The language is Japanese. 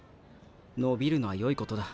伸びるのはよいことだ。